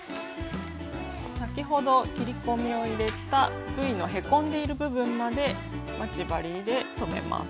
先ほど切り込みを入れたＶのへこんでいる部分まで待ち針で留めます。